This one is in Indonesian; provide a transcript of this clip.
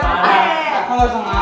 sekarang aku langsung ajak